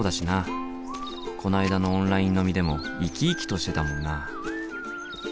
こないだのオンライン飲みでも生き生きとしてたもんな。